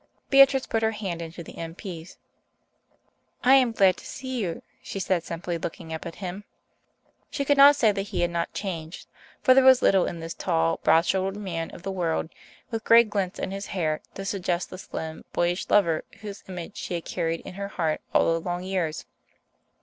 Beatrice put her hand into the M.P.'s. "I am glad to see you," she said simply, looking up at him. She could not say that he had not changed, for there was little in this tall, broad shouldered man of the world, with grey glints in his hair, to suggest the slim, boyish young lover whose image she had carried in her heart all the long years.